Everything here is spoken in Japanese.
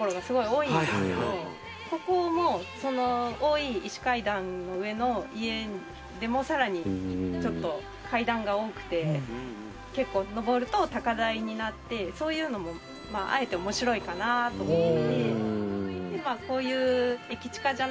多い石階段の上の家でもさらに階段が多くて結構上ると高台になってそういうのもあえて面白いかなと思って。